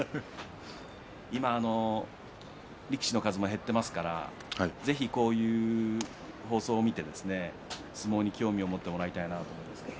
今、力士の数も減っていますからぜひ、こういう放送を見て相撲に興味を持ってもらいたいなと思います。